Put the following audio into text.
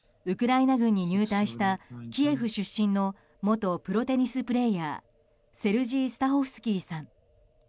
ウクライナ軍に入隊したキエフ出身の元プロテニスプレーヤーセルジー・スタホフスキーさん。